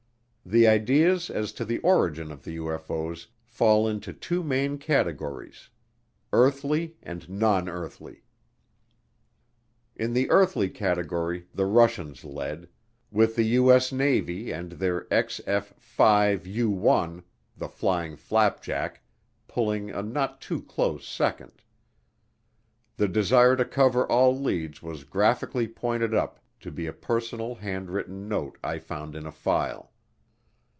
The ideas as to the origin of the UFO's fell into two main categories, earthly and non earthly. In the earthly category the Russians led, with the U.S. Navy and their XF 5 U 1, the "Flying Flapjack," pulling a not too close second. The desire to cover all leads was graphically pointed up to be a personal handwritten note I found in a file.